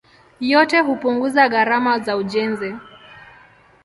Yote hupunguza gharama za ujenzi.